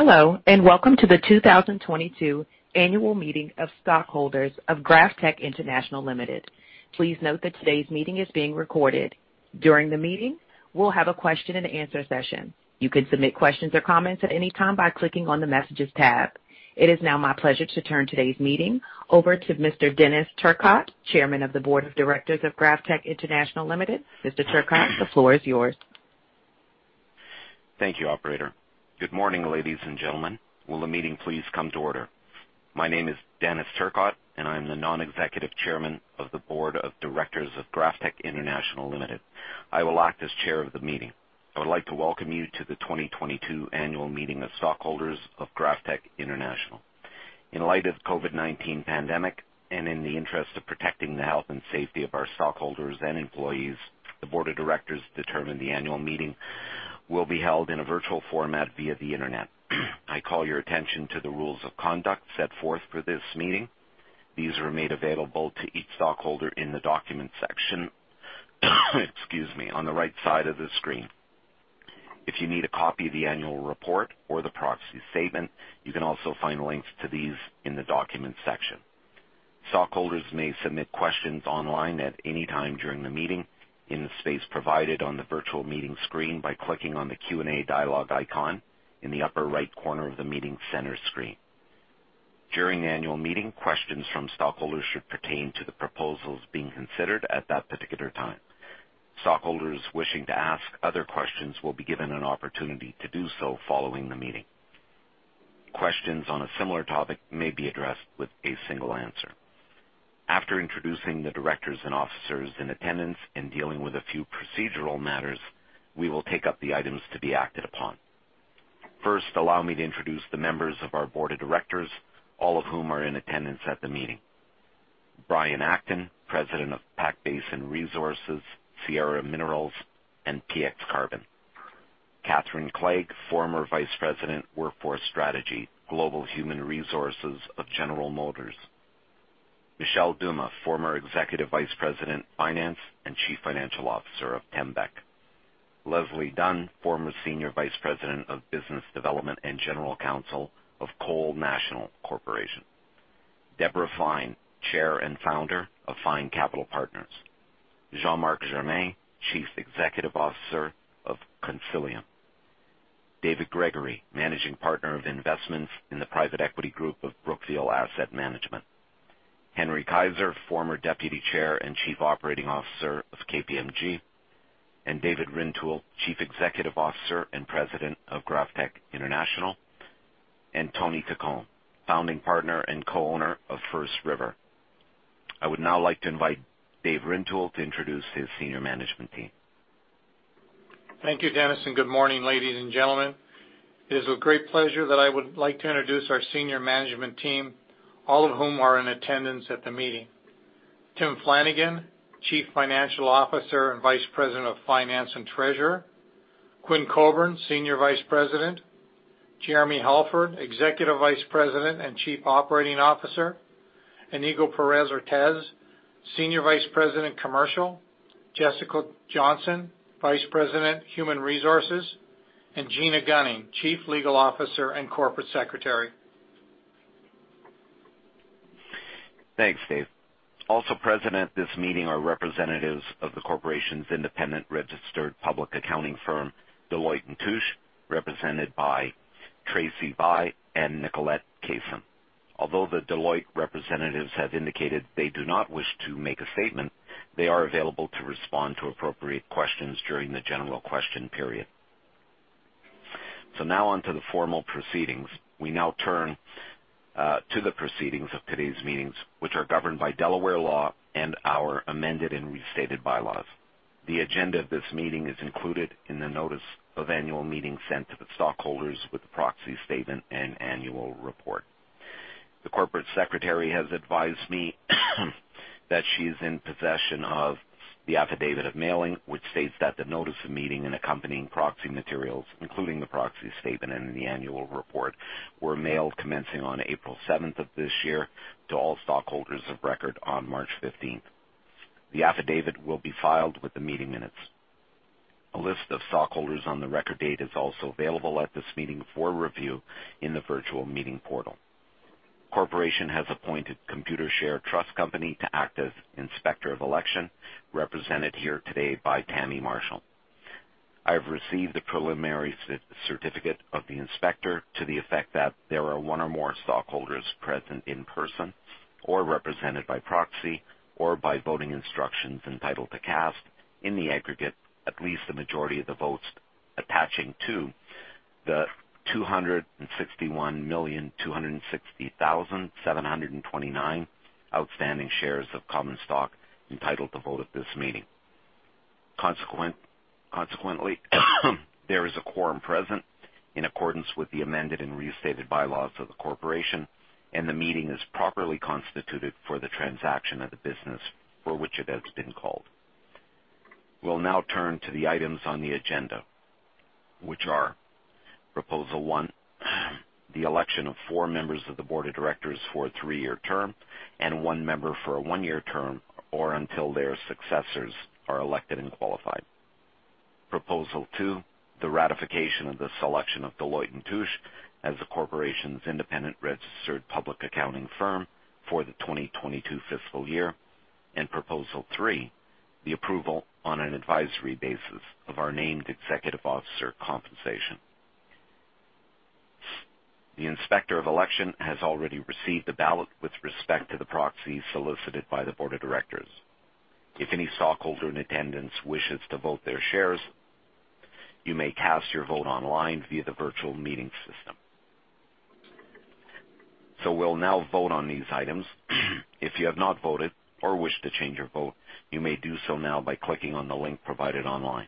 Hello, and welcome to the 2022 annual meeting of stockholders of GrafTech International Ltd. Please note that today's meeting is being recorded. During the meeting, we'll have a question and answer session. You can submit questions or comments at any time by clicking on the Messages tab. It is now my pleasure to turn today's meeting over to Mr. Denis Turcotte, Chairman of the Board of Directors of GrafTech International Ltd. Mr. Turcotte, the floor is yours. Thank you, operator. Good morning, ladies and gentlemen. Will the meeting please come to order? My name is Denis Turcotte, and I am the Non-Executive Chairman of the Board of Directors of GrafTech International Limited. I will act as Chair of the meeting. I would like to welcome you to the 2022 annual meeting of stockholders of GrafTech International. In light of COVID-19 pandemic and in the interest of protecting the health and safety of our stockholders and employees, the board of directors determined the annual meeting will be held in a virtual format via the Internet. I call your attention to the rules of conduct set forth for this meeting. These were made available to each stockholder, excuse me, on the right side of the screen. If you need a copy of the annual report or the proxy statement, you can also find links to these in the Documents section. Stockholders may submit questions online at any time during the meeting in the space provided on the virtual meeting screen by clicking on the Q&A dialogue icon in the upper right corner of the meeting center screen. During the annual meeting, questions from stockholders should pertain to the proposals being considered at that particular time. Stockholders wishing to ask other questions will be given an opportunity to do so following the meeting. Questions on a similar topic may be addressed with a single answer. After introducing the directors and officers in attendance and dealing with a few procedural matters, we will take up the items to be acted upon. First, allow me to introduce the members of our board of directors, all of whom are in attendance at the meeting. Brian Acton, President of Pac Basin Resources, Sierra Minerals, and Px Carbon. Catherine Clegg, former Vice President, Workforce Strategy, Global Human Resources of General Motors. Michel Dumas, former Executive Vice President, Finance, and Chief Financial Officer of Tembec. Leslie Dunn, former Senior Vice President of Business Development and General Counsel of CONSOL Energy. Debra Fine, Chair and Founder of Fine Capital Partners. Jean-Marc Germain, Chief Executive Officer of Constellium. David Gregory, Managing Partner of Investments in the Private Equity Group of Brookfield Asset Management. Henry Keizer, former Deputy Chair and Chief Operating Officer of KPMG. David Rintoul, Chief Executive Officer and President of GrafTech International. Anthony Taccone, Founding Partner and Co-owner of First River. I would now like to invite David Rintoul to introduce his senior management team. Thank you, Denis, and good morning, ladies and gentlemen. It is with great pleasure that I would like to introduce our senior management team, all of whom are in attendance at the meeting. Tim Flanagan, Chief Financial Officer and Vice President of Finance and Treasurer. Quinn Coburn, Senior Vice President. Jeremy Halford, Executive Vice President and Chief Operating Officer. Iñigo Pérez-Ortiz, Senior Vice President, Commercial. Jessica Johnston, Vice President, Human Resources, and Gina Gunning, Chief Legal Officer and Corporate Secretary. Thanks, Dave. Also present at this meeting are representatives of the corporation's independent registered public accounting firm, Deloitte & Touche, represented by Tracy Bai and Nicolette Cason. Although the Deloitte representatives have indicated they do not wish to make a statement, they are available to respond to appropriate questions during the general question period. Now on to the formal proceedings. We now turn to the proceedings of today's meetings, which are governed by Delaware law and our amended and restated bylaws. The agenda of this meeting is included in the notice of annual meeting sent to the stockholders with the proxy statement and annual report. The corporate secretary has advised me that she is in possession of the affidavit of mailing, which states that the notice of meeting and accompanying proxy materials, including the proxy statement and the annual report, were mailed commencing on April 7th of this year to all stockholders of record on March 15th. The affidavit will be filed with the meeting minutes. A list of stockholders on the record date is also available at this meeting for review in the virtual meeting portal. Corporation has appointed Computershare Trust Company to act as inspector of election, represented here today by Tammy Marshall. I have received the preliminary certificate of the inspector to the effect that there are one or more stockholders present in person or represented by proxy or by voting instructions entitled to cast in the aggregate at least the majority of the votes attaching to the 261,260,729 outstanding shares of common stock entitled to vote at this meeting. Consequently, there is a quorum present in accordance with the amended and restated bylaws of the corporation, and the meeting is properly constituted for the transaction of the business for which it has been called. We'll now turn to the items on the agenda, which are proposal one. The election of four members of the board of directors for a three-year term and one member for a one-year term, or until their successors are elected and qualified. Proposal two, the ratification of the selection of Deloitte & Touche as the corporation's independent registered public accounting firm for the 2022 fiscal year. Proposal three, the approval on an advisory basis of our named executive officer compensation. The inspector of election has already received the ballot with respect to the proxy solicited by the board of directors. If any stockholder in attendance wishes to vote their shares, you may cast your vote online via the virtual meeting system. We'll now vote on these items. If you have not voted or wish to change your vote, you may do so now by clicking on the link provided online.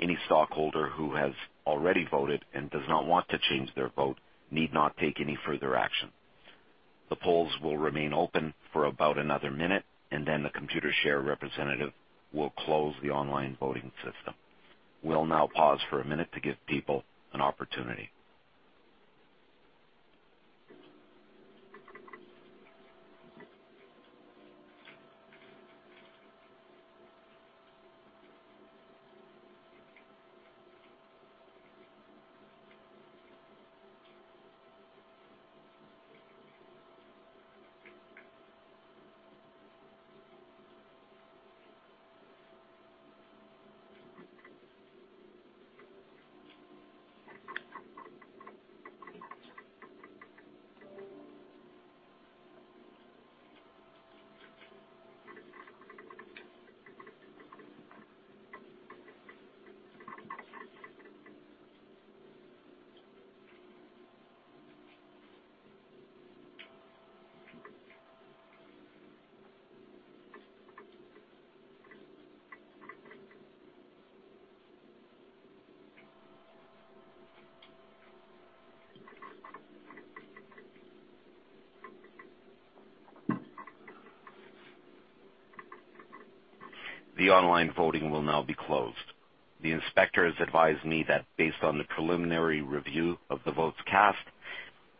Any stockholder who has already voted and does not want to change their vote need not take any further action. The polls will remain open for about another minute, and then the Computershare representative will close the online voting system. We'll now pause for a minute to give people an opportunity. The online voting will now be closed. The inspector has advised me that based on the preliminary review of the votes cast,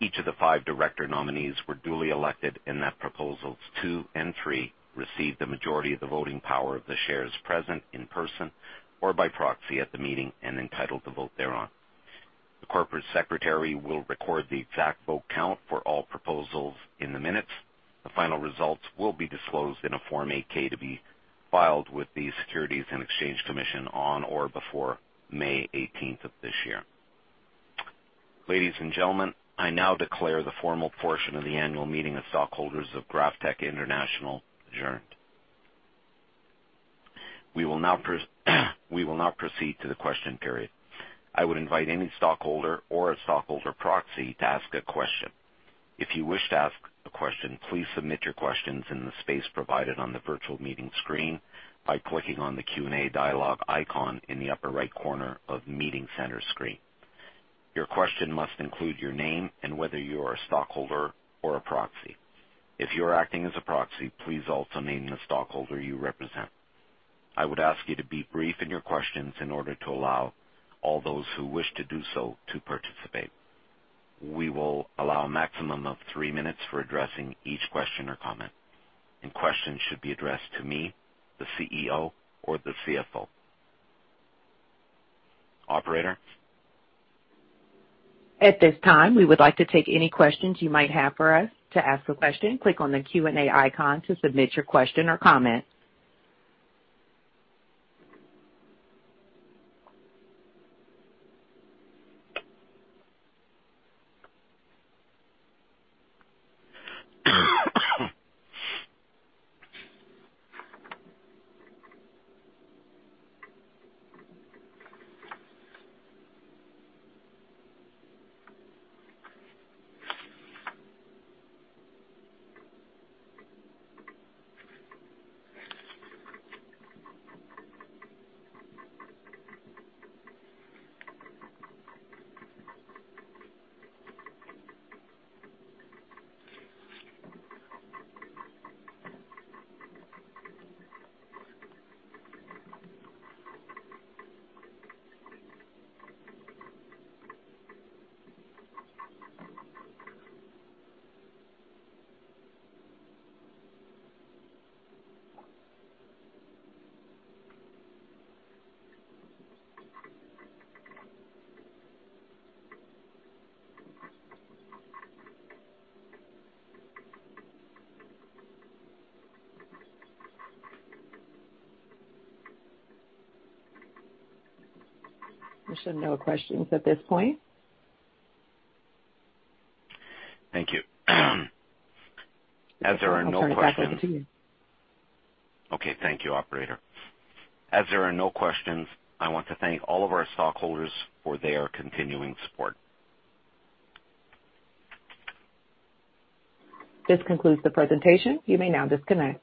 each of the five director nominees were duly elected, and that proposals two and three received a majority of the voting power of the shares present in person or by proxy at the meeting and entitled to vote thereon. The corporate secretary will record the exact vote count for all proposals in the minutes. The final results will be disclosed in a Form 8-K to be filed with the Securities and Exchange Commission on or before May 18th of this year. Ladies and gentlemen, I now declare the formal portion of the annual meeting of stockholders of GrafTech International adjourned. We will now proceed to the question period. I would invite any stockholder or a stockholder proxy to ask a question. If you wish to ask a question, please submit your questions in the space provided on the virtual meeting screen by clicking on the Q&A dialogue icon in the upper right corner of meeting center screen. Your question must include your name and whether you are a stockholder or a proxy. If you are acting as a proxy, please also name the stockholder you represent. I would ask you to be brief in your questions in order to allow all those who wish to do so to participate. We will allow a maximum of three minutes for addressing each question or comment. Questions should be addressed to me, the CEO or the CFO. Operator. At this time, we would like to take any questions you might have for us. To ask a question, click on the Q&A icon to submit your question or comment. I show no questions at this point. Thank you. As there are no questions. I'll turn it back over to you. Okay. Thank you, operator. As there are no questions, I want to thank all of our stockholders for their continuing support. This concludes the presentation. You may now disconnect.